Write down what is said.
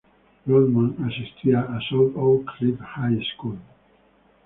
Rodman asistía a South Oak Cliff High School.